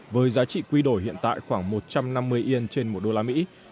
với giá trị quy đổi hiện tại khoảng một trăm năm mươi yên trên một đô la mỹ